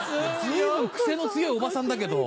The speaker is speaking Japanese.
随分クセの強いおばさんだけど。